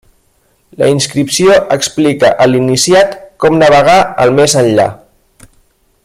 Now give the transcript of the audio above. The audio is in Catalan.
La inscripció explica a l'iniciat com navegar el més enllà.